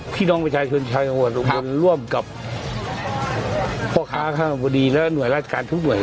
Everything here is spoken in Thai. พี่น้องมันชายชวนชายของบนครับร่วมกับครับพ่อค้าข้างหลังบดีและหน่วยราชการทุกหน่วย